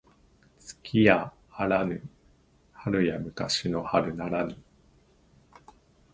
月やあらぬ春や昔の春ならぬ